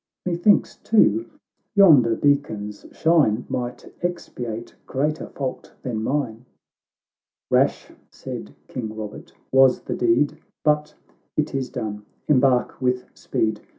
C29 Methinks, too, yonder beacon's shine Might expiate greater fault than mine."— " Rash," said King Eobert, " was the deed — But it is done. — Embark with speed !